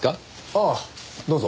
ああどうぞ。